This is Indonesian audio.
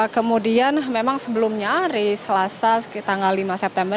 kemudian memang sebelumnya hari selasa tanggal lima september